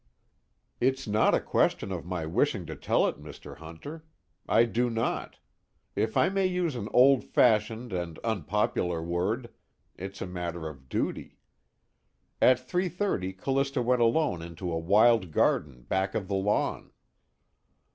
"It's not a question of my wishing to tell it, Mr. Hunter. I do not. If I may use an old fashioned and unpopular word, it's a matter of duty. At 3:30 Callista went alone into a wild garden back of the lawn."